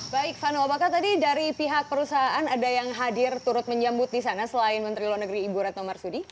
baik vano apakah tadi dari pihak perusahaan ada yang hadir turut menyambut di sana selain menteri luar negeri ibu retno marsudi